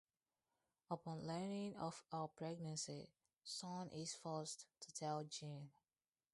Upon learning of her pregnancy, Sun is forced to tell Jin.